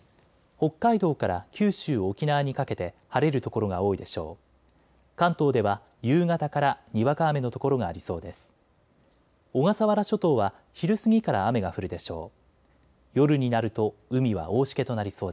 北海道から九州、沖縄にかけて晴れる所が多いでしょう。